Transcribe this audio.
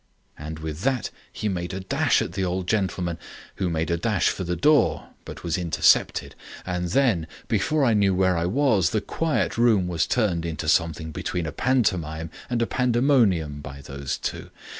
And with that he made a dash at the old gentleman, who made a dash for the door, but was intercepted. And then, before I knew where I was the quiet room was turned into something between a pantomime and a pandemonium by those two.